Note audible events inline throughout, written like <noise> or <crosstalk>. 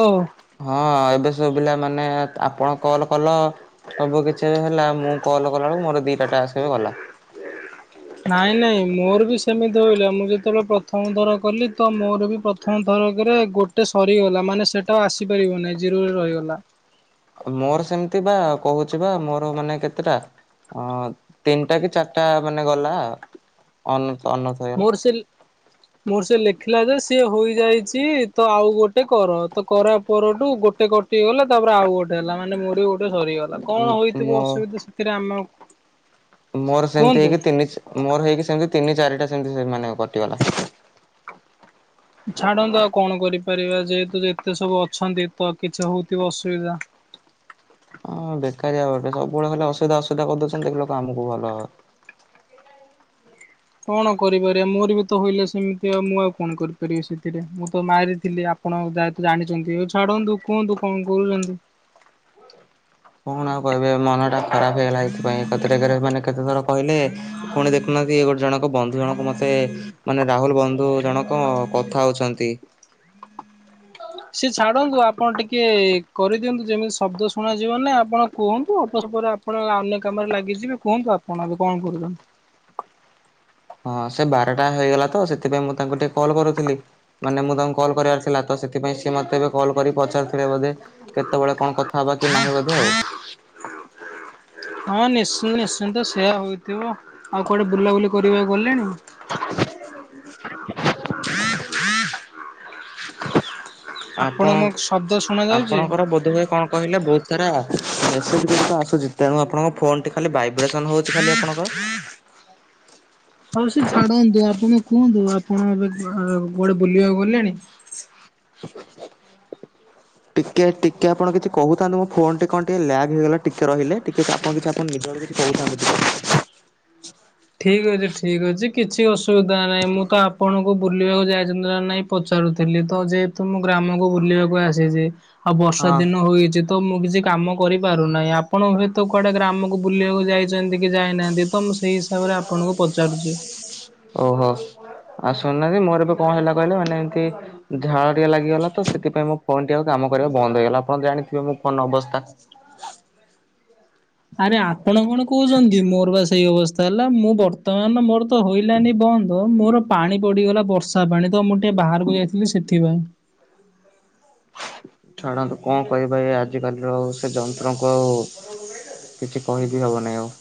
ଓହୋ। ହଁ ଏବେ ସବୁ ପିଲାମାନେ ତ୍ ଆପଣ କଲ୍ କଲ ସବୁ କିଛି ଏବେ ହେଲା ମୁଁ କଲ କଲାବେଳୁକୁ ମୋର ଦିଇଟା ଟାସ୍କ ଏବେ ଗଲା। ନାଇଁ ନାଇଁ ମୋର ବି ସେମିତି ହୋଇଲା ମୁଁ ଯେତେବେଳେ ପ୍ରଥମ ଥର କଲି ତ ମୋର ବି ପ୍ର ପ୍ରଥମ ଥରକରେ ଗୋଟେ ସରିଗଲା ମାନେ ସେଟା ଆଉ ଆସିପାରିବ ନାହିଁ ଜିରୋରେ ରହିଗଲା। ମୋର ସେମତି ପା କୋହୁଚି ପା ମୋର ମାନେ କେତେଟା ଅ ତିନିଟା କି ଚାରିଟା ମାନେ ଗଲା <unintelligible> ହେଇଗଲା। ମୋର ସେ <unintelligible> ମୋର ସେ ଲେଖିଲା ଯେ ସିଏ ହୋଇଯାଇଛି ତ ଆଉ ଗୋଟେ କର ତ କରା ପରଠୁ ଗୋଟେ କ ଟି ଗଲା ତାପରେ ଆଉ ଗୋଟେ ହେଲା ମାନେ <unintelligible> ଗୋଟେ ସରିଗଲା, କଣ ହେଇଥିବ ମୋ ଅସୁବିଧା ସେଥିରେ ଆମ ଆଉ ମୋର ସେମ୍ତି ହେଇକି ତିନି ମୋର ହେଇକି ସେମିତି ତିନି ଚାରିଟା ସେମ୍ତି ମାନେ କଟିଗଲା। <unintelligible> ଛାଡ଼ନ୍ତୁ ଆଉ କଣ କରିପାରିବା ଯେହେତୁ ଯେତେ ସବୁ ଅଛନ୍ତି ତ କିଛି ହଉଥିବ ଅସୁବିଧା। ହଁ ବେକାରଆ ଗଟେ ସବୁବେଳେ ଖାଲି ଅସୁିବିଧା-ଅସୁବିଧା <unintelligible> ଦଉଛନ୍ତି ଦେଖିଲାକୁ ଆମକୁ ଭଲ କଣ କରିପାରିବା ମୋର ବି ତ ହଲା ସେମିତି ଆଉ ମୁଁ ଆଉ କଣ କରିପାରିବି ସେଥିରେ ମୁଁ ତ ମାରିଥିଲି ଆ ପଣ <unintelligible> ତ ଜାଣିଛନ୍ତି, ହଉ ଛାଡନ୍ତୁ କୁହନ୍ତୁ କଣ କହୁଚନ୍ତି। କଣ ଆଉ କହିବି ମନଟା ଖରାପ ହେଇଗଲା ଏଇଥିପାଇଁ, ଏକାଥରେକେରେ ମାନେ କେତେ ଥର କହିଲେ ପୁଣି ଦେଖୁନାହାନ୍ତି ଏ ଗୋଟେ ଜଣକ ବନ୍ଧୁ ଜଣକ ମତେ ମାନେ ରାହୁଲ୍ ବନ୍ଧୁ ଜଣକ କଥା ହଉଛନ୍ତି। ସିଏ ଛାଡନ୍ତୁ ଆପଣ ଟିକେ କରିଦିଅନ୍ତୁ ଯେମିତି ଶବ୍ଦ ଶୁଣାଯିବନି, ଆପଣ କୁହନ୍ତୁ <unintelligible> ପରେ ଆପଣ ଅନ୍ୟ କାମରେ ଲାଗିଯିବେ, କୁହନ୍ତୁ ଆପଣ ଏବେ କଣ କରୁଚନ୍ତି? ହଁ ସେ ବାରଟା ହେଇଗଲା ତ ସେଥିପାଇଁ ମୁଁ ତାଙ୍କୁ ଟିକେ କଲ୍ କରୁଥିଲି। ମାନେ ମୁଁ ତାଙ୍କୁ କଲ୍ କରିବାର ଥିଲା ତ ସେଥିପାଇଁ ସିଏ ମୋତେ ଏବେ କଲ୍ କରି ପଚାରଥିଲେ ବୋଧେ। କେତେବେଳେ କଣ କଥା ହବା କି ନାହିଁ ବୋଧେ ଆଉ। ହଁ ନିଶ୍ଚି ନିଶ୍ଚିନ୍ତ ସେୟା ହେଥିବ ଆଉ କୁଆଡେ ବୁଲାବୁଲି କରିବାକୁ ଗଲେଣି? <unintelligible> ହୁଁ ହୁଁ ଆପଣଙ୍କୁ ଆପଣ ମୋ ଶବ୍ଦ ଶୁଣା ଯାଉଛି। ଆପଣଙ୍କର ବୋଧହୁଏ କଣ କହିଲେ ବହୁତ୍ ସାରା ମେସେଜ୍ ଗୁଡ଼ିକ ଆସୁଛି, ତେଣୁ ଆପଣଙ୍କ ଫୋନ୍ ଟି ଖାଲି ଭାଇବ୍ରେସନ୍ ହଉଛି ଖାଲି ଆପଣଙ୍କର। ହଉ ସେ ଛାଡ଼ନ୍ତୁ, ଆପଣ କୁହନ୍ତୁ ଆପଣ ଏବେ କୁଆଡ଼େ ବୁଲିବାକୁ ଗଲେଣି? ଟିକେ-ଟିକେ ଆପଣ କିଛି କହୁଥାନ୍ତୁ ମୋ ଫୋନ୍ ଟି କଣ ଟିକେ ଲ୍ୟାଗ୍ ହେଇଗଲା ଟିକେ ରହିଲେ। ଟିକେ ଆପଣ କିଛି ଆପଣ ନିଜ ଆଡୁ କିଛି କହୁଥାନ୍ତୁ ଟିକେ। ଠିକ୍ ଅଛି ଠିକ୍ ଅଛି କିଛି ଅସୁବିଧା ନାହିଁ, ମୁଁ ତ ଆପଣଙ୍କୁ ବୁଲିବାକୁ ଯାଇଛନ୍ତି ନା ନହିଁ ପଚାରୁଥିଲି ତ ଯେହେତୁ ମୁଁ ଗ୍ରାମକୁ ବୁଲିବାକୁ ଆସିଛି ଆଉ ବର୍ଷା ହଁ ଦିନ ହୋଇଅଛି। ତ ମୁଁ କିଛି କାମ କରିପାରୁନାହିଁ ଆପଣ ହୁଏତ କୁଆଡେ ଗ୍ରାମକୁ ବୁଲିବାକୁ ଯାଇଛନ୍ତି କି ଯାଇନାହାନ୍ତି ତ ମୁଁ ସେଇ ହିସାବରେ ଆପଣଙ୍କୁ ପଚାରୁଛି। ଓହୋ। ଆଉ ଶୁଣୁନାହାନ୍ତି ମୋର ଏବେ କଣ ହେଲା କହିଲେ ମାନେ ଏମ୍ତି ଝାଳ ଟକେ ଲାଗିଗଲା ତ ସେଥିପାଇଁ ମୋ ଫୋନ୍ ଟି ଆଉ କାମ କରିବା ବନ୍ଦ ହେଇଗଲା, ଆପଣ ଜାଣିଥିବେ ମୋ ଫୋନ୍ ଅବସ୍ଥା। ଆରେ ଆପଣ କଣ କହୁଛନ୍ତି ମୋର ବା ସେଇ ଅବସ୍ଥା ହେଲା, ମୁଁ ବର୍ତ୍ତମାନ ମୋର ତ ହୋଇଲାନି ବନ୍ଦ ମୋର ପାଣି ପଡ଼ିଗଲା ବର୍ଷା ପାଣି ତ ମୁଁ ଟିକେ ବାହାରକୁ ଯାଇଥିଲି ସେଥିପାଇଁ। <unintelligible> ଛାଡ଼ନ୍ତୁ କଣ କରିବା ଏ ଆଜିକାଲିର ସେ ଯନ୍ତ୍ରଙ୍କୁ ଆଉ। କିଛି କହିବି ହବନେଇଁ ଆଉ।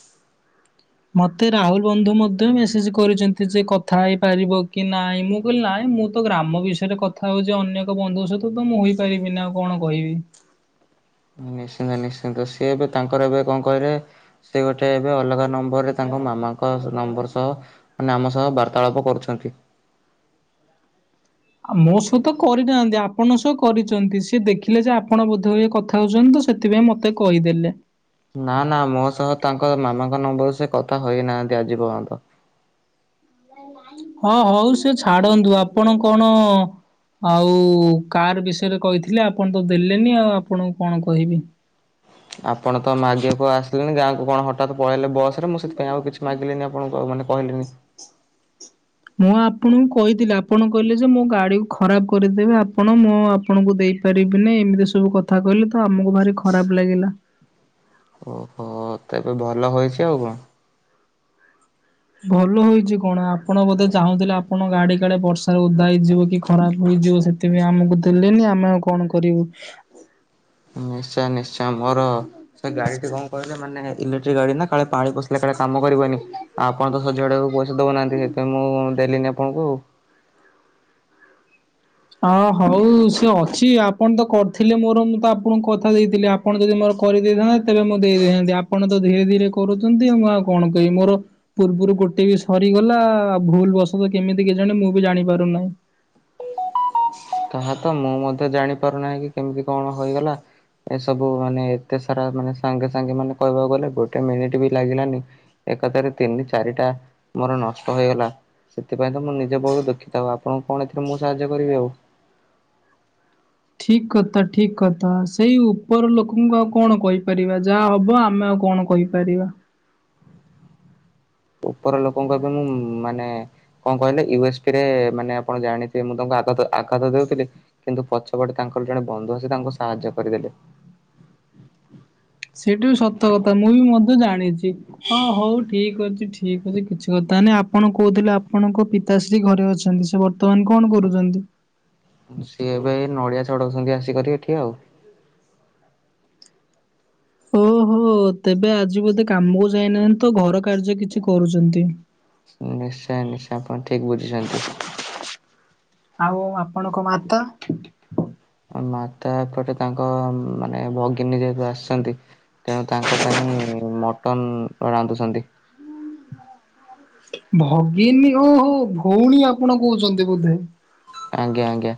ମତେ ରାହୁଲ୍ ବନ୍ଧୁ ମଧ୍ୟ ମେସେଜ୍ କରିଛନ୍ତି ଯେ କଥା ହେଇପାରିବ କି ନାଇଁ, ମୁଁ କହିଲି ନହିଁ ମୁଁ ତ ଗ୍ରାମ ବିଷୟରେ କଥା ହଉଛି ଅନ୍ୟ ଏକ ବନ୍ଧୁଙ୍କ ସହିତ ତ ମୁଁ ହୋଇପାରିବି ନା ଆଉ କଣ କହିବି। ନିଶ୍ଚିନ୍ତ-ନିଶ୍ଚିନ୍ତ ସିଏ ଏବେ ତାଙ୍କର ଏବେ କଣ କହିଲେ ସେ ଗୋଟେ ଏବେ ଅଲଗା ନମ୍ବରରେ ତାଙ୍କ ମାମାଙ୍କ ନମ୍ବର୍ ସହ ମାନେ ଆମ ସହ ବାର୍ତ୍ତାଳାପ କରୁଛନ୍ତି। ମୋ ସହହିତ କରିନାହାନ୍ତି ଆପଣ ସହ କରିଛନ୍ତି ସେ ଦେଖିଲେ ଯେ ଆପଣ ବୋଧହୁଏ କଥା ହଉଛନ୍ତି ତ ସେଥିପାଇଁ ମତେ କହିଦେଲେ। ନା ନା ମୋ ସହ ତାଙ୍କ ମାମାଙ୍କ ନମ୍ବର ରୁ ସେ କଥା ହେଇନାହାନ୍ତି ଆଜି ପର୍ଯ୍ୟନ୍ତ। ହଁ ହଉ ସେ ଛାଡନ୍ତୁ, ଆପଣ କଣ ଆଉ କାର୍ ବିଷୟରେ କହିଥିଲେ, ଆପଣ ତ ଦେଲେନି ଆଉ ଆପଣଙ୍କୁ କଣ କହିବି। ଆପଣ ତ ମାଗିବାକୁ ଆସିଲେନି ଗାଁକୁ କଣ ହଠାତ୍ ପଳେଇଲେ ବସ୍ ରେ, ମୁଁ ସେଥିପାଇଁ ଆଉ କିଛି ମାଗିଲିିନି ଆପଣଙ୍କୁ ଆଉ ମାନେ କହିଲିନି। ମୁଁ ଆପଣଙ୍କୁ କହିଥିଲି ଆପଣ କହିଲେ ଯେ ମୋ ଗାଡିକୁ ଖରାପ କରିଦେବେ ଆପଣ ମୋ ଆ ପଣଙ୍କୁ ଦେଇପାରିବିନି ଏମିତି ସବୁ କଥା କହିଲେ ତ ଆମକୁ ଭାରି ଖରାପ୍ ଲାଗିଲା। ଓହୋ ତ ଏବେ ଭଲ ହୋଇଛି ଆଉ କଣ? ଭଲ ହେଇଛି କଣ ଆପଣ ବୋଧେ ଚାହୁଁଥିଲେ ଆପଣ ଗାଡି କାଡେ ବର୍ଷାରେ ଓଦା ହେଇଯିବ କି ଖରାପ ହେଇଯିବ କି ଆମକୁ ଦେଲେନି ଆମେ ଆଉ କଣ କରିବୁ। ନିଶ୍ଚୟ ନିଶ୍ଚୟ ମୋର ସେ ଗାଡିଟି କଣ କହିଲେ ମାନେ ଇଲେକ୍ଟ୍ରିକ ଗାଡି ନା କାଳେ ପାଣି ପ ହେ କାଡେ କାମ କରିବନି ଆଉ ଆପଣ ତ ସଜାଆଡେକୁ ପଇସା ଦଉନାହାନ୍ତି ସେଥିପାଇଁ ମୁଁ ଦେଲିନି ଆପଣଙ୍କୁ। ଅ ହଉ ସେ ଅଛି ଆପଣ ତ କରିଥିଲେ ମୋର ମୁଁ ତ ଆପଣଙ୍କୁ କଥା ଦେଇଥିଲି ଆ ଆପଣ ଯଦି ମୋର କରିଦେଇଥାନ୍ତେ ତେବେ ମୁଁ ଦେଇ ଦେଇେଥାନ୍ତି ଆପଣ ତ ଧୀରେ ଧୀରେ କରୁଛନ୍ତି ଆ ମୁଁ ଆଉ କଣ କହିବି ମୋର ପୂର୍ବରୁ ଗୋଟେ ବି ସରିଗଲା ଭୁଲ ବଶ ତ କେମିତି କି ଜାଣେ ମୁଁ ବି ଜାଣି ପାରୁନାହିଁ। ତାହା ତ ମୁଁ ମଧ୍ୟ ଜାଣିପାରୁନାହିଁ କି କେମିତି କଣ ହେଇଗଲା। ଏସବୁ ମାନେ ଏତେ ସାରା ମାନେ ସାଙ୍ଗେ ସାଙ୍ଗେ ମାନେ କହିବାକୁ ଗଲେ ଗୋଟେ ମିନିଟ ବି ଲାଗିଲାନି। ଏକଥାରେ ତିନି ଚାରିଟା ମୋର ନଷ୍ଟ ହେଇଗଲା। ସେଥିପାଇଁ ତ ମୁ ନିଜେ ବୋରୁ ଦଖିତ ହବ ଆପଣଙ୍କୁ କଣ ଏଥିରେ ମୁଁ ସାହାଯ୍ୟ କରିବି ଆଉ। ଠିକ କଥା ଠିକ କଥା ସେଇ ଉପର ଲୋକଙ୍କୁ ଆଉ କଣ କହିପାରିବା ଯାହା ହବ ଆମେ ଆଉ କଣ କହିପାରିବା। ଉପର ଲୋକଙ୍କ ଏବେ ମୁଁ ମାନେ କଣ କହିଲେ ୟୁ ଏସ୍ ପି ରେ ମାନେ ଆପଣ ଜାଣିଥିବେ ମୁଁ ତାଙ୍କୁ ଆଘାତ ଆଘାତ ଦେଉଥିଲେ କିନ୍ତୁ ପଛପଟେ ତାଙ୍କର ଜଣେ ବନ୍ଧୁ ଅଛି ଆସି ତାଙ୍କୁ ସାହାଯ୍ୟ କରିଦେଲେ। ସେଇ ଠୁ ସତ କଥା ମୁଁ ବି ମଧ୍ୟ ଜାଣିଛି। ହଁ ହଉ ଠିକ ଅଛି ଠିକ ଅଛି କିଛି କଥା ନାହିଁ ଆପଣ କହୁଥିଲେ ଆପଣଙ୍କ ପି ପିତାଶ୍ରୀ ଘରେ ଅଛନ୍ତି ସେ ବର୍ତ୍ତମାନ କଣ କରୁଛନ୍ତି? ସିଏ ଏବେ ନଡ଼ିଆ ଚଢାଉଛନ୍ତି ଆସିକରି ଏଠି ଆଉ ଓହୋ ତେବେ ଆଜି ବୋଧେ କାମକୁ ଯାଇନାହାନ୍ତି ତ ଘର କାର୍ଯ୍ୟ କିଛି କରୁଛନ୍ତି। ହଁ। ନିଶ୍ଚୟ ନିଶ୍ଚୟ ଆପଣ ଠିକ ବୁଝିଛନ୍ତି। ଆଉ ଆପଣଙ୍କ ମାତା? ମାତା ଏପଟେ ତାଙ୍କ ମାନେ ଭଗିନୀ ଯେହେତୁ ଆସିଛନ୍ତି ତେଣୁ ତାଙ୍କ ପାଇଁ ମଟନ ରାନ୍ଧୁଛନ୍ତି। ଭଗିନୀ ଓହୋ ଭଉଣୀ ଆପଣ କହୁଛନ୍ତି ବୋଧେ? ଆଜ୍ଞା ଆଜ୍ଞା।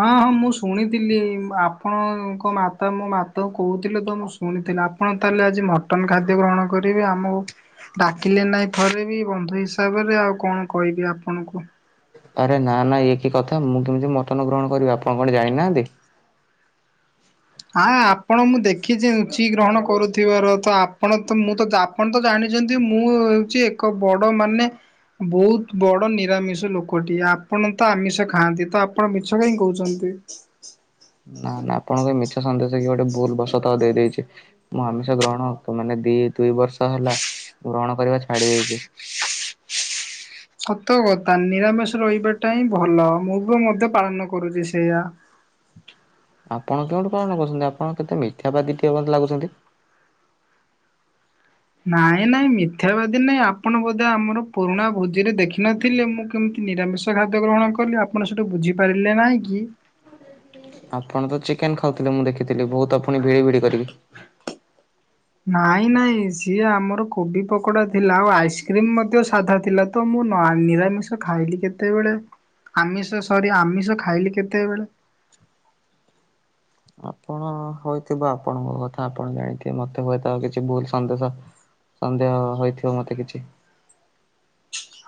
ହଁ ହଁ ମୁଁ ଶୁଣିଥିଲି ଆପଣଙ୍କ ମାତା ମୋ ମାତାଙ୍କୁ କହୁଥିଲେ ତମ ଶୁଣିଥିଲେ ଆପଣ ତାହେଲେ ଆଜି ମଟନ ଖାଦ୍ୟ ଗ୍ରହଣ କରିବେ ଆମକୁ ଡାକିଲେ ନାଇଁ ଥରେ ବି ବନ୍ଧୁ ହିସାବରେ ଆଉ କଣ କହିବି ଆପଣଙ୍କୁ ଆରେ ନା ନା ଇଏ କି କଥା ମୁଁ କେମିତି ମଟନ ଗ୍ରହଣ କରିବି ଆପଣ କଣ ଜାଣିନାହାନ୍ତି? ହଁ ଆପଣ ମୁଁ ଦେଖିଛି ରୁଚି ଗ୍ରହଣ କରୁଥିବାର ତ ଆ ଆପଣ ତ ମୁଁ ତ ଆପଣ ତ ଜାଣିଛନ୍ତି ମୁଁ ହେଉଛି ଏକ ବଡ଼ ମାନେ ବହୁତ ବଡ ନିରାମିଷ ଲୋକଟି ଆପଣ ତ ଆମିଷ ଖାଆନ୍ତି ତ ଆପଣ ମିଛ କାହିଁ କହୁଛନ୍ତି? ନା ନା ଆପଣଙ୍କ ମିଛ ସନ୍ଦେଶ କି ଗୋଟେ ଭୁଲବସତ୍ ଦେଇ ଦେଇଛି। ମୁଁ ଆମିଷ ଗ୍ରହଣ ତ ମାନେ ଦି ଦୁଇ ବର୍ଷ ହେଲା ଗ୍ରହଣ କରିବା ଛାଡି ଦେଇଛି। ସତ କଥା ନିରାମିଷ ରହିବାଟା ହିଁ ଭଲ ମୁବି ମଧ୍ୟ ପାଳନ କରୁଛି ସେଇଆ। ଆପଣ କେଉଁଠି ପାଳନ କରୁଛନ୍ତି ଆପଣ କେତେ ମିଦ୍ୟାବାଦୀ ଲାଗୁଛନ୍ତି। ନାଇଁ ନାଇଁ ମିଥ୍ୟାବାଦୀ ନାଇଁ ଆପଣ ବୋଧେ ଆମର ପୁରୁଣା ଭୋଜିରେ ଦେଖିନଥିଲେ ମୁଁ କେମିତି ନିରାମିଷ ଖାଦ୍ୟ ଗ୍ରହଣ କଲି ଆପଣ ସେଇଠୁ ବୁଝିପାରିଲେ ନାହିଁ କି? ଆପଣ ତ ଚିକେନ ଖାଉଥିଲେ ମୁଁ ଦେଖିଥିଲି ବହୁତ ଫୁଣି ଭିଡି ଭିଡି କରିକି ନାଇଁ ନାଇଁ ସିଏ ଆମର କୋବି ପକୋଡା ଥିଲା ଆଉ ଆଇସ୍କ୍ରିମ ମଧ୍ୟ ସାଧା ଥିଲା। ତ ମୁଁ ନିରାମିଷ ଖାଇଲି କେତେବେଳେ ଆମିଷ ସରି ଆମିଷ ଖାଇଲି କେତେବେଳେ ଆପଣ ହୋଇଥିବ ଆପଣଙ୍କ କଥା ଆପଣ ଜାଣିଥିବେ ମତେ ହୁଏତ କିଛି ଭୁଲ ସନ୍ଦେଶ ସନ୍ଦେହ ହୋଇଥିବ ମତେ କିଛି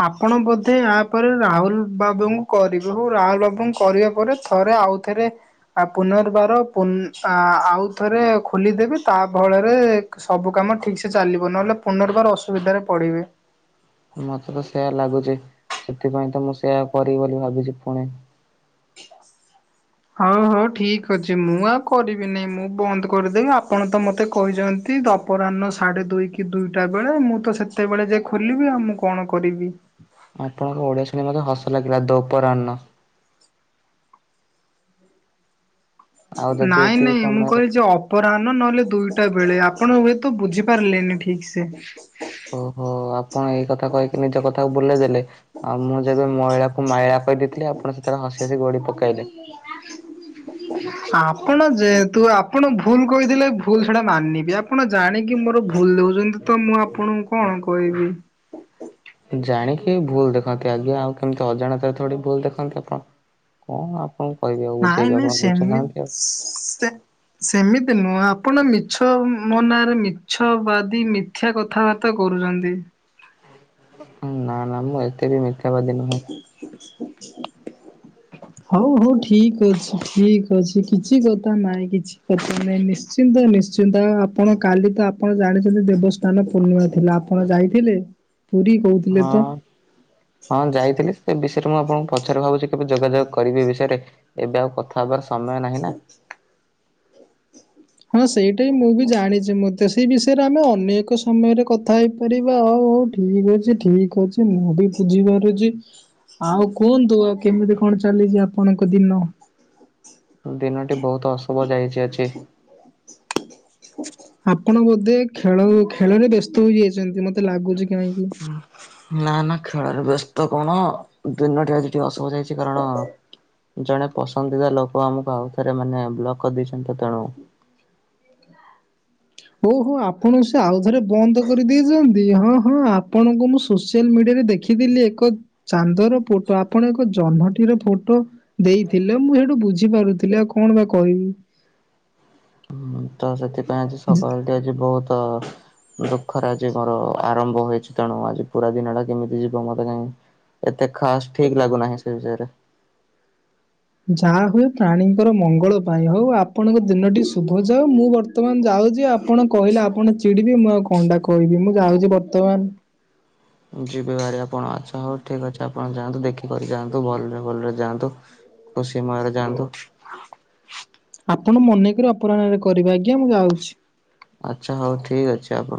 ଆପଣ ବୋଧେ ଏହାପରେ ରାହୁଲ ବାବୁଙ୍କୁ କରିବେ ହଉ ରାହୁଲ ବାବୁଙ୍କୁ କରିବା ପରେ ଥରେ ଆଉ ଏଥିରେ ଆ ପୁନର୍ବାର ପୁ ଆ ଆଉଥରେ ଖୋଲିଦେବି ତା ଫଳରେ ସବୁ କାମ ଠିକ୍ ସେ ଚାଲିବ ନହେଲେ ପୁନର୍ବାର ଅସୁବିଧାରେ ପଡ଼ିବେ ମତେ ତ ସେୟା ଲାଗୁଛି ସେଥିପାଇଁ ତ ମୁଁ ସେୟା କରିବି ବୋଲି ଭାବିଛି ପୁଣି ହଁ ହଁ ଠିକ୍ ଅଛି ମୁଁ ଆଉ କରିବି ନାହିଁ ମୁଁ ବନ୍ଦ୍ କରିଦେବି ଆପଣ ତ ମତେ କହି ଚ଼ନ୍ତି ଅପରାହ୍ନ ସାଢ଼େ ଦୁଇ କି ଦୁଇଟା ବେଳେ ମୁଁ ତ ସେତେବେଳେ ଯେଏ ଖୋଲିବି ଆଉ ମୁଁ କଣ କରିବି ଆପଣଙ୍କ ଓଡିଆ ଶୁଣୀ ମତେ ହସ ଲାଗିଲା ଦୌପରାହନ ଆଉ ଯଦି ନାଇଁ ଏତିକି ନାଇଁ ମୁଁ ସମୟରେ କହିଲି ଜବ୍ ପରାହ୍ନ ନହେଲେ ଦୁଇଟା ବେଳେ ଆପଣ ହୁଏତ ବୁଝିପାରିଲେନି ଠିକ୍ ସେ ଓହୋ ଆପଣ ଏଇ କଥା କହିକି ନିଜ କଥାକୁ ବୁଲେଇ ଦେଲେ ଆଉ ମୁଁ ଯେବେ ମଇଳାକୁ ମାୟା କହିଦେଇଥିଲି ଆପଣ ସେଥିରେ ହସି ହସି ଗୋଡି ପକେଇଲେ <inaudible> ଆପଣ ଯେ ତୁ ଆପଣ ଭୁଲ କହିଥିଲେ ଭୁଲ ସେଟା ମାନିବେ ଆପଣ ଜାଣିକି ମୋର ଭୁଲ ଦୋଉଛନ୍ତି ତ ମୁଁ ଆପଣଙ୍କୁ କଣ କହିବି ଜାଣିକି ଭୁଲ୍ ଦେଖନ୍ତି ଆଜ୍ଞା ଆଉ କେମିତି ଅଜାଣତା ଭୁଲ ଦେଖନ୍ତି ଆପଣ କଣ କଣ କହିବି ଆଉ ନାଇଁ ବୁଝେଇବି ନା ଆପଣ ସେମି ବୁଝୁନାହାନ୍ତି ଆଉ। ସେ ସେମିତି ନୁହଁ ଆପଣ ମିଛ ମୋ ନାରେ ମିଛ ବାଦି ମିଥ୍ୟା କ କଥାବାର୍ତ୍ତା କରୁଚ଼ନ୍ତି ନା ନା ମୁଁ ଏତେ ବି ମିଥ୍ୟା ବାଦୀ ନୁହଁ <inaudible> ହଉ ହଉ ଠିକ୍ ଅଛି ଠିକ ଅଛି କିଛି କଥା ନାଇଁ କିଛି ନାଇଁ ନିଶ୍ଚିନ୍ତ ନିଶ୍ଚିନ୍ତ ଆପଣ କାଲି ତ ଆପଣ ଜାଣିଛନ୍ତି ଦେବସ୍ ସ୍ଥାନ ପୂର୍ଣ୍ଣିମା ଥିଲା ଆପଣ ଯାଇଥିଲେ ପୁରୀ? କହୁଥିଲେ ତ? ହଁ। ହଁ ଯାଇଥିଲି ସେ ବିଷୟରେ ମୁଁ ଆପଣଙ୍କୁ ପଛରେ ଭାବୁଛି କେବେ ଯୋଗାଯୋଗ କରିବି ବିଷୟରେ ଏବେ ଆଉ କଥା ହବାର ସମୟ ନାହିଁ ନା? <unintelligible> ହଁ ସେଇଟା ହ ମୁଁ ବି ଜାଣିଛି ମ ସେଇ ବିଷୟରେ ଆମେ ଅନେକ ସମୟରେ କ କଥା ହେଇପାରିବା ହଉ ହଉ ଠିକ୍ ଅଛି ଠିକ୍ ଅଛି ମୁଁ ବି ବୁଝିପାରୁଛି ଆଉ କୁହନ୍ତୁ ଆଉ କେମିତି କଣ ଚାଲିଚି ଆପଣଙ୍କ ଦିନ? ଦିନଟି ବହୁତ ଅଶୁଭ ଯାଇଚି ଆଜି। ଆପଣ ବୋଧେ ଖେଳ ଖେଳରେ ବ୍ୟସ୍ତ ହେଯାଇଛନ୍ତି ମତେ ଲାଗୁଚି କାହିଁକି ନା ନା ଖେଳରେ ବ୍ୟସ୍ତ କଣ ଦିନଟି ଆଜି ଟିକେ ଅସୁଭ ଯାଇଚ଼ି କାରଣ ଜଣେ ପସନ୍ଦିଦ ଲୋକ ଆମକୁ ଆଉ ଥରେ ମାନେ ବ୍ଲଗ କରିଦେଇଛନ୍ତି ତ ତେଣୁ ଓ ହୋ ଆପଣ ସେ ଆଉଥରେ ବନ୍ଦ କରିଦେଇଛନ୍ତି ହଁ ହଁ ଆପଣଙ୍କୁ ମୁଁ ସୋସିଆଲ ମିଡିଆରେ ଦେଖ ଦେଖିଥିଲି ଏକ ଚାନ୍ଦର ପୋଟୋ ଆପଣ ଏକ ଜହ୍ନଟିର ପଟୋ ଦେଇଥିଲେ ମୁଁ ସେଇଠୁ ବୁଝିପାରୁଥିଲି ଆଉ କଣ ବା କହିବି ତ ସେଥିପାଇଁ ଆଜି ସକାଳେ ଟି ଆଜି ବହୁତ ଦୁଃଖରେ ଆଜି ମୋର ଆରମ୍ଭ ହୋଇଛି ତେଣୁ ଆଜି ପୁରା ଦିନ ଟା କେମିତି ଯିବ ମୋତେ କାହିଁ ଏତେ ଖାସ୍ ଠିକ୍ ଲାଗୁନାହିଁ ସେ ବିଷୟରେ ଯାହା ହୁଏ ପ୍ରାଣୀଙ୍କର ମଙ୍ଗଳ ପାଇଁ ହଉ ଆପଣଙ୍କ ଦିନଟି ଶୁଭ ଯାଉ ମୁଁ ବତ୍ତ ବର୍ତ୍ତମାନ ଯାଉଚି ଆପଣ କହିଲେ ଆପଣ ଚିଡିବେ ମୁଁ ଆଉ କଣଟା କହିବି ମୁଁ ଯାଉଡ଼ି ବର୍ତ୍ତମାନ ଯିବେ ଭାରି ଆପଣ ଆଛା ହଉ ଠିକ୍ ଅଛି ଆପଣ ଯାଆନ୍ତୁ ଦେଖିକରି ଯାଆନ୍ତୁ ଭଲରେ ଭଲରେ ଯାଆନ୍ତୁ ଖୁସି ମୟରେ ଯାଆନ୍ତୁ ଆପଣ ମନେକ ଅପରାହ୍ନରେ କରିବେ ଆଜ୍ଞା ମୁଁ ଯାଉଛି। ଆଛା ହଉ ଠିକ ଅଛି ଆପଣ